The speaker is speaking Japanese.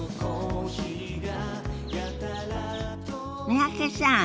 三宅さん